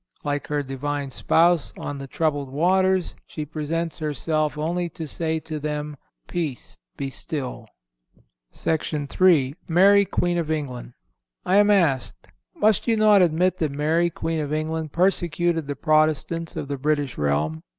Like her Divine Spouse on the troubled waters, she presents herself only to say to them: "Peace be still." III. Mary, Queen of England. I am asked: Must you not admit that Mary, Queen of England, persecuted the Protestants of the British realm?